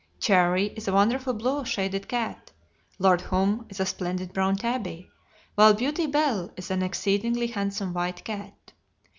Cherie is a wonderful blue shaded cat; Lord Humm is a splendid brown tabby; while Beauty Belle is an exceedingly handsome white cat.